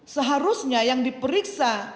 seharusnya yang diperiksa